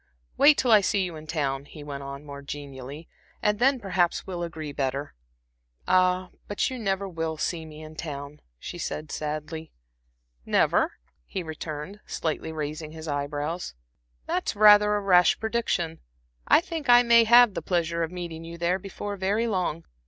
Wait till I see you in town," he went on, more genially "and then perhaps we'll agree better." "Ah, but you never will see me in town," she said, sadly. "Never?" he returned, slightly raising his eye brows. "That's rather a rash prediction. I think I may have the pleasure of meeting you there before very long.